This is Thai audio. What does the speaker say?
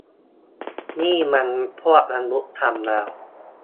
นี่มันพวกบรรลุธรรมแล้ว